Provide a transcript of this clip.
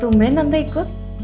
tumben tante ikut